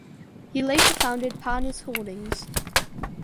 He later founded Parnas Holdings.